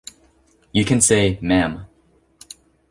You can say: “Ma’am”.